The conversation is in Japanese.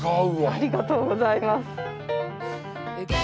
ありがとうございます。